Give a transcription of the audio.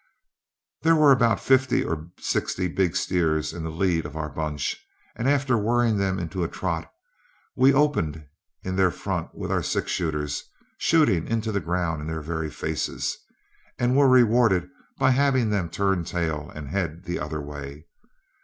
There were about fifty or sixty big steers in the lead of our bunch, and after worrying them into a trot, we opened in their front with our six shooters, shooting into the ground in their very faces, and were rewarded by having them turn tail and head the other way.